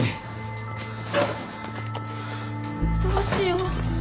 どうしよう。